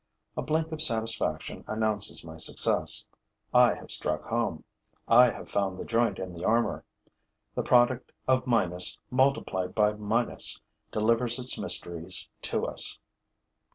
A blink of satisfaction announces my success. I have struck home, I have found the joint in the armor. The product of minus multiplied by minus delivers its mysteries to us.